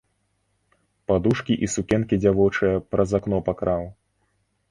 Падушкі і сукенкі дзявочыя праз акно пакраў.